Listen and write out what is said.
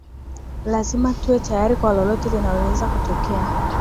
lazima tuwe tayari kwa lolote linaloweza kutokea